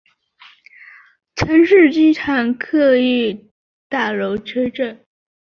城市机场客运大楼车站。